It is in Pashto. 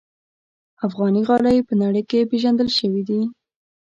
افغان غالۍ په نړۍ کې پېژندل شوي دي.